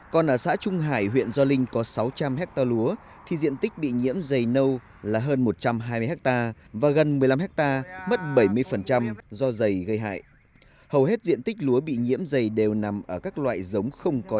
còn ở xã trung hải huyện do linh có sáu trăm linh hectare lúa thì diện tích bị nhiễm dày nâu là hơn một trăm hai mươi hectare và gần một mươi năm hectare